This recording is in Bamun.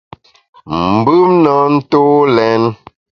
Mbùm na ntô lèn.